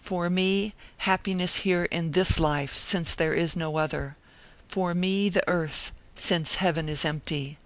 for me, happiness here in this life, since there is no other! for me, the earth, since heaven is empty!